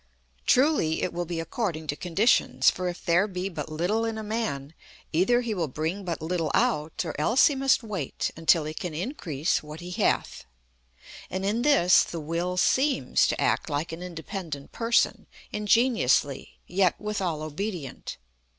Truly, it will be according to conditions, for if there be but little in a man, either he will bring but little out, or else he must wait until he can increase what he hath. And in this the Will seems to act like an independent person, ingeniously, yet withal obedient.